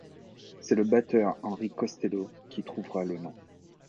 C'est le batteur Henry Castello qui trouvera le nom.